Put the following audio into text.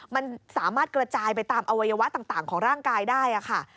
มันสามารถกระจายไปตามอวัยวะต่างของร่างกายได้ค่ะ